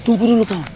tunggu dulu kawan